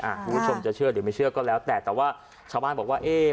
คุณผู้ชมจะเชื่อหรือไม่เชื่อก็แล้วแต่แต่ว่าชาวบ้านบอกว่าเอ๊ะ